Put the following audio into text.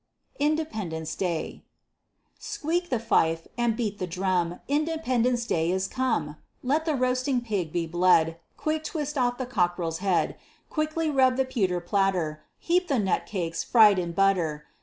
INDEPENDENCE DAY Squeak the fife, and beat the drum, Independence day is come! Let the roasting pig be bled, Quick twist off the cockerel's head, Quickly rub the pewter platter, Heap the nutcakes, fried in butter.